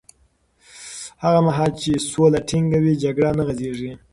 هغه مهال چې سوله ټینګه وي، جګړه نه غځېږي.